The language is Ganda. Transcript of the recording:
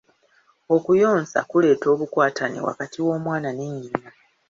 Okuyonsa kuleeta obukwatane wakati w'omwana ne nnyina.